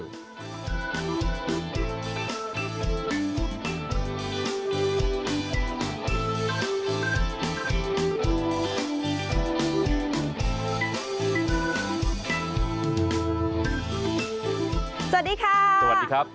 สวัสดีค่ะสวัสดีครับ